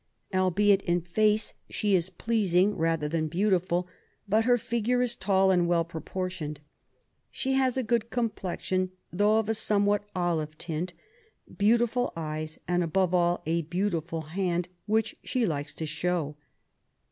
Albeit, in face she is pleasing rather than beautiful ; but her figure is tall and well pro portioned. She has a good complexion, though of a somewhat olive tint, beautiful eyes, and above all a beautiful hand, which she likes to show.